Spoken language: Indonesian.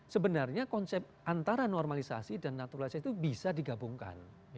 sebenarnya konsep antara normalisasi dan naturalisasi itu bisa digabungkan